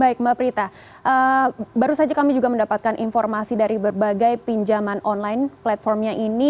baik mbak prita baru saja kami juga mendapatkan informasi dari berbagai pinjaman online platformnya ini